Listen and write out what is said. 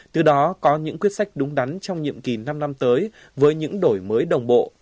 từ đó có những quyết sách đúng đắn trong nhiệm kỳ năm năm tới với những đổi mới đồng bộ